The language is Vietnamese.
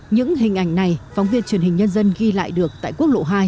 những hình ảnh này phóng viên truyền hình nhân dân ghi lại được tại quốc lộ hai